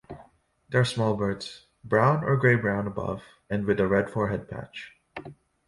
They are small birds, brown or grey-brown above and with a red forehead patch.